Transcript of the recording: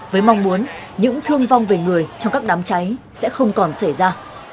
với mong muốn những thương vong về người trong các đám cháy sẽ không còn xảy ra